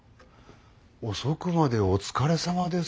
遅くまでお疲れさまです。